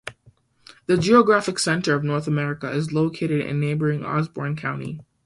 The geographic center of North America is located in neighboring Osborne County.